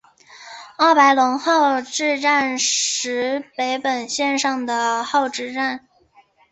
奥白泷号志站石北本线上的号志站。